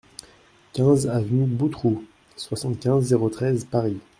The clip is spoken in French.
quinze avenue Boutroux, soixante-quinze, zéro treize, Paris